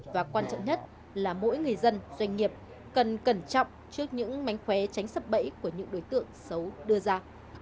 và quan trọng nhất là mỗi người dân doanh nghiệp cần cẩn trọng trước những mánh khóe tránh sập bẫy của những đối tượng xấu đưa ra